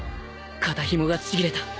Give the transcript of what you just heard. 肩ひもがちぎれた。